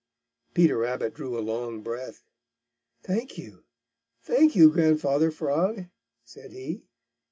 Peter Rabbit drew a long breath. "Thank you, thank you, Grandfather Frog!" said he.